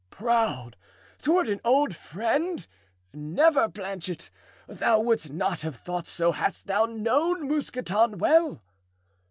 "Proud toward an old friend? never, Planchet! thou wouldst not have thought so hadst thou known Mousqueton well."